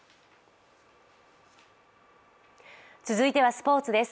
続いてはスポーツです。